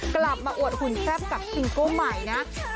กลับมาอวดหุ่นแซ่บกับซิงเกิ้ลใหม่นะ